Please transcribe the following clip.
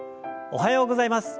おはようございます。